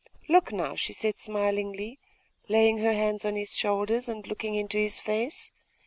'Look now,' she said smilingly, laying her hands on his shoulders, and looking into his face....